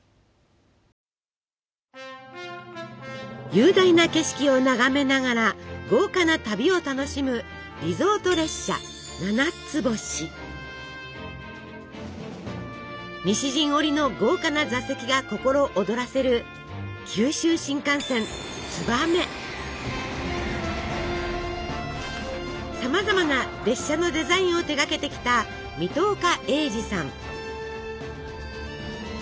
雄大な景色を眺めながら豪華な旅を楽しむリゾート列車西陣織の豪華な座席が心躍らせるさまざまな列車のデザインを手がけてきた水戸岡さん